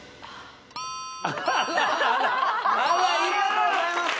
アハハハありがとうございます